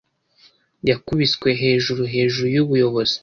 Yakubiswe hejuru hejuru yubuyobozi.